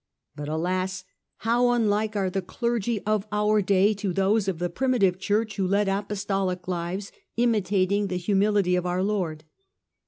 But alas ! how unlike are the clergy of our own day to those of the primitive Church, who led Apostolic lives, imitating the humility of our Lord